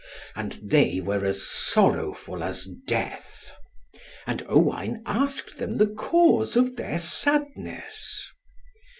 And they were as sorrowful as death. And Owain asked them the cause of their sadness.